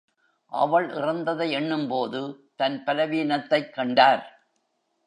அவள் இறந்ததை எண்ணும்போது தன் பலவீனத்தைக் கண்டார்.